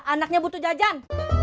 anaknya butuh jajan